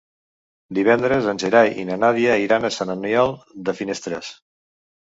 Divendres en Gerai i na Nàdia iran a Sant Aniol de Finestres.